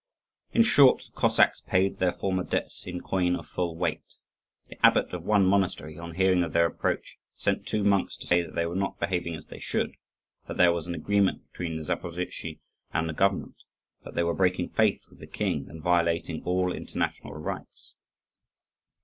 In short, the Cossacks paid their former debts in coin of full weight. The abbot of one monastery, on hearing of their approach, sent two monks to say that they were not behaving as they should; that there was an agreement between the Zaporozhtzi and the government; that they were breaking faith with the king, and violating all international rights.